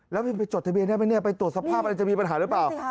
พิมพ์ไปจดทะเบียนได้ไหมเนี่ยไปตรวจสภาพอะไรจะมีปัญหาหรือเปล่า